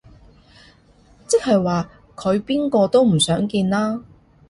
即係話佢邊個都唔想見啦